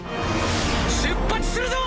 出発するぞ！